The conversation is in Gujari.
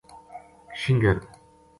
شنگر